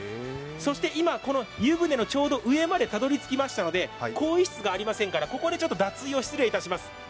今この湯船のちょうど上までたどりつきましたので更衣室がありませんから、ここで脱衣を失礼します。